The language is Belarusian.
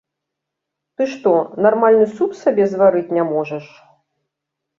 Ты што, нармальны суп сабе зварыць не можаш?